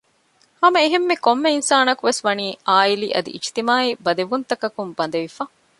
ހަމައެހެންމެ ކޮންމެ އިންސާނަކުވެސް ވަނީ ޢާއިލީ އަދި އިޖްތިމާޢީ ބަދެވުންތަކަކުން ބަނދެވިފަ